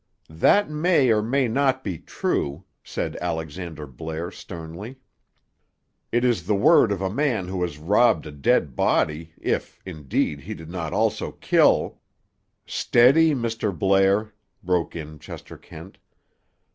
"That may or may not be true," said Alexander Blair sternly. "It is the word of a man who has robbed a dead body, if, indeed, he did not also kill—" "Steady, Mr. Blair," broke in Chester Kent.